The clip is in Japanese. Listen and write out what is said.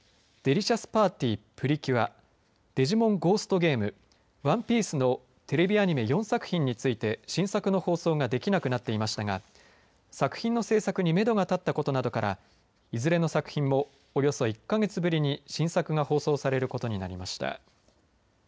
デリシャスパーティプリキュアデジモンゴーストゲームＯＮＥＰＩＥＣＥのテレビアニメ４作品について新作の放送ができなくなっていましたが作品の制作にめどが立ったことなどからいずれの作品もおよそ１か月ぶりに新作が放送されることになりました。